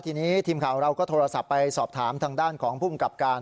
ทีนี้ทีมข่าวเราก็โทรศัพท์ไปสอบถามทางด้านของภูมิกับการ